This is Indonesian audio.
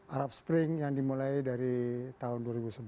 arab spring yang dimulai dari tahun dua ribu sebelas